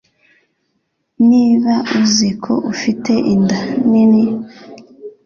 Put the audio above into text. niba uzi ko ufite inda nini